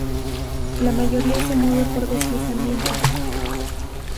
La mayoría se mueve por deslizamiento.